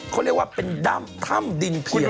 ก็เรียกว่าเป็นดำถ้ำดินเพียง